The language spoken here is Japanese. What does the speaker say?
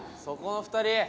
そこの２人！